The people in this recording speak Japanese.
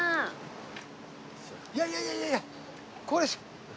いやいやいやいやこれ。